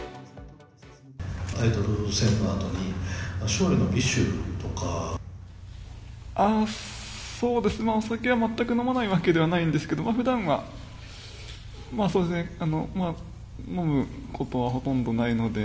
タイトル戦のあとに、勝利のそうですね、お酒は全く飲まないわけではないんですが、ふだんはそうですね、まあ、飲むことはほとんどないので。